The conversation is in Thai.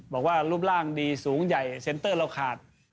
บอกว่ารูปร่างดีสูงใหญ่เซ็นเตอร์เราขาด